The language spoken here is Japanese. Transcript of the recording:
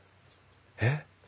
えっ？